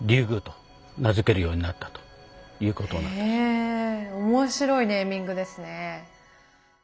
へえ面白いネーミングですね。